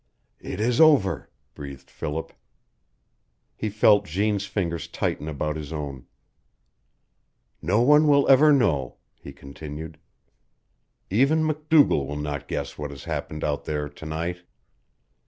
"It is over," breathed Philip. He felt Jeanne's fingers tighten about his own. "No one will ever know," he continued. "Even MacDougall will not guess what has happened out there to night."